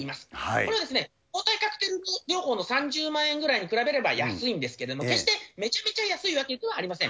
これは、抗体カクテル療法の３０万円ぐらいに比べれば安いんですけれども、決してめちゃくちゃ安いわけではありません。